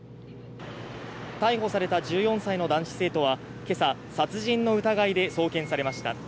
逮捕された１４歳の男子生徒は今朝、殺人の疑いで送検されました。